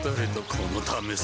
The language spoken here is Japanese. このためさ